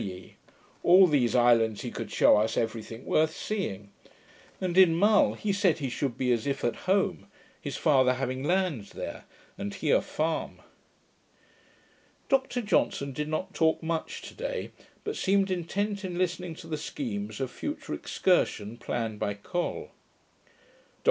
In all these islands he could shew us every thing worth seeing; and in Mull he said he should be as if at home, his father having lands there, and he a farm. Dr Johnson did not talk much to day, but seemed intent in listening to the schemes of future excursion, planned by Col.